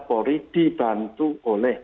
kori dibantu oleh